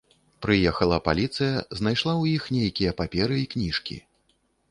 Прыехала паліцыя, знайшла ў іх нейкія паперы і кніжкі.